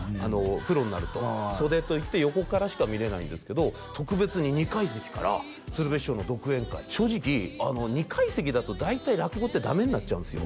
プロになると袖といって横からしか見れないんですけど特別に２階席から鶴瓶師匠の独演会正直２階席だと大体落語ってダメになっちゃうんですよ